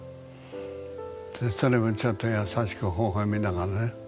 それもちょっと優しく微笑みながらね。